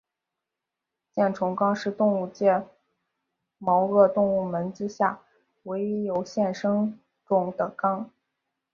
箭虫纲是动物界毛颚动物门之下唯一有现生种的纲。